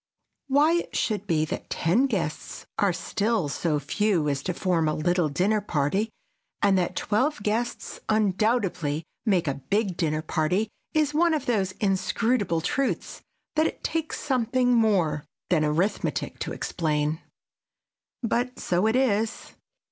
Why it should be that ten guests are still so few as to form a little dinner party and that twelve guests undoubtedly make a big dinner party is one of those inscrutable truths that it takes something more than arithmetic to explain. But so it is.